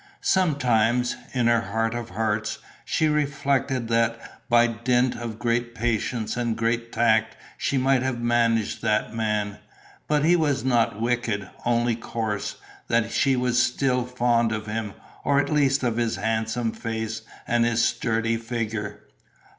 Sometimes, in her heart of hearts, she reflected that by dint of great patience and great tact she might have managed that man, that he was not wicked, only coarse, that she was still fond of him, or at least of his handsome face and his sturdy figure.